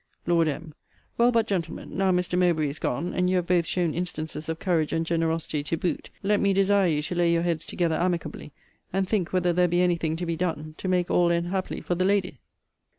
Lord M. Well, but, gentlemen, now Mr. Mowbray is gone, and you have both shown instances of courage and generosity to boot, let me desire you to lay your heads together amicably, and think whether there be any thing to be done to make all end happily for the lady?